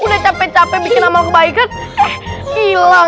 udah capek capek bikin amal kebaikan eh hilang